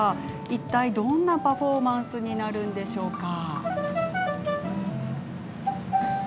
いったいどのようなパフォーマンスになるのでしょうか。